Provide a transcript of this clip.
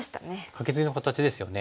カケツギの形ですよね。